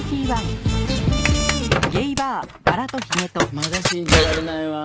まだ信じられないわ。